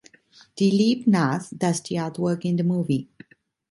Dileep Nath does the art work in the movie.